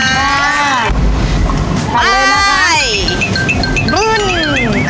ไปไปเลยนะคะ